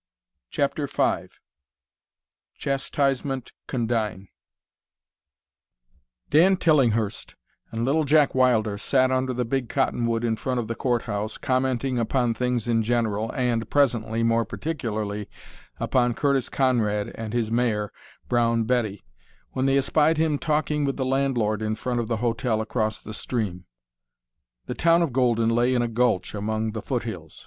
CHAPTER V CHASTISEMENT CONDIGN Dan Tillinghurst and Little Jack Wilder sat under the big cottonwood in front of the court house, commenting upon things in general, and, presently, more particularly upon Curtis Conrad and his mare, Brown Betty, when they espied him talking with the landlord in front of the hotel across the stream. The town of Golden lay in a gulch among the foot hills.